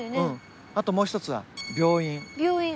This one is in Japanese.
あともう一つは病院。